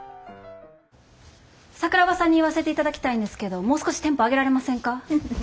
桜庭さんに言わせていただきたいんですけどもう少しテンポ上げられませんか？